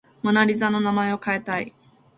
モナ・リザの名前を変えたい